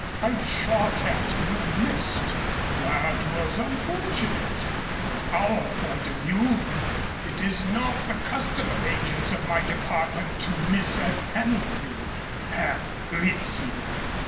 "I shot at him and missed." "That was unfortunate from our point of view. It is not the custom of agents of my department to miss at anything, Herr Rizzio.